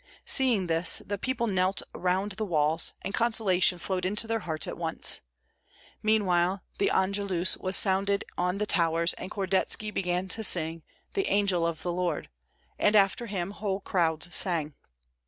Seeing this, the people knelt around the walls, and consolation flowed into their hearts at once. Meanwhile the Angelus was sounded on the towers, and Kordetski began to sing, "The Angel of the Lord;" and after him whole crowds sang.